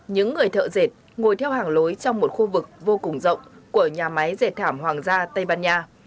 những người thợ dệt ngồi theo hàng lối trong một khu vực vô cùng rộng của nhà máy dệt thảm hoàng gia tây ban nha